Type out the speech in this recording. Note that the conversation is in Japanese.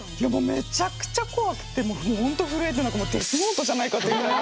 めちゃくちゃ怖くてもうほんと震えてなんかもうデスノートじゃないかっていうぐらい。